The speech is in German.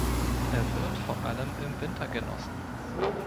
Er wird vor allem im Winter genossen.